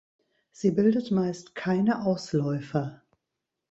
Sie bildet meist keine Ausläufer.